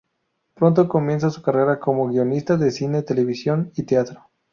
Pronto comienza su carrera como guionista de cine, televisión y teatro.